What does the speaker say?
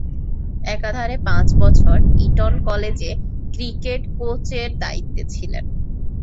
একাধারে পাঁচ বছর ইটন কলেজে ক্রিকেট কোচের দায়িত্বে ছিলেন।